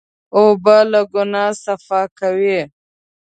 اوبه له ګناه صفا کوي.